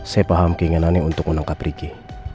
saya paham keinginannya untuk menangkap ricky